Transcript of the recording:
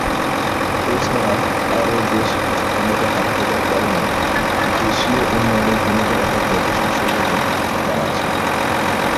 এছাড়া আরো বেশ কিছু ক্ষমতা হাতে থাকার কারণে দেশীয় উন্নয়নে ভূমিকা রাখার যথেষ্ট সুযোগও তার আছে।